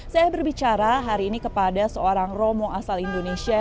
saya berbicara hari ini kepada seorang romo asal indonesia